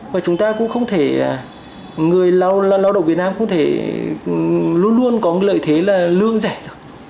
và chúng ta cũng không thể người lao động việt nam không thể luôn luôn có lợi thế là lương rẻ được